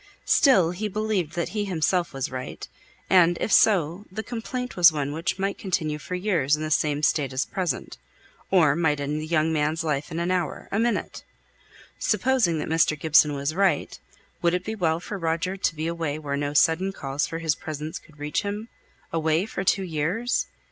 Still he believed that he himself was right, and, if so, the complaint was one which might continue for years in the same state as at present, or might end the young man's life in an hour a minute. Supposing that Mr. Gibson was right, would it be well for Roger to be away where no sudden calls for his presence could reach him away for two years?